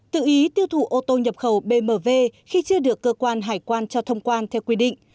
tự ý tiêu thụ ô tô nhập khẩu bmv khi chưa được cơ quan hải quan cho thông quan theo quy định